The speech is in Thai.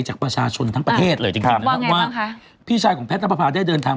จากประชาชนทั้งประเทศเลยจริง